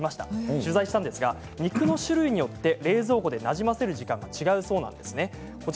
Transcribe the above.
取材したんですが肉の種類によって冷蔵庫でなじませる時間が違うそうです。